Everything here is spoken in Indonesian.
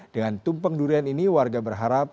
dengan tumpeng durian ini warga berharap